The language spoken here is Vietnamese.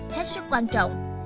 hết sức quan trọng